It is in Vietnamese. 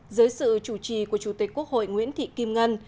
dưới sự chủ trì của chủ tịch quốc hội nguyễn thị kim ngân